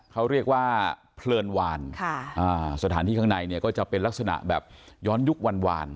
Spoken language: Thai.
เขาเรียกว่าเพลินวานสถานที่ข้างในเนี่ยก็จะเป็นลักษณะแบบย้อนยุควาน